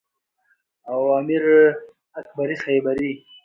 او میر اکبر خیبری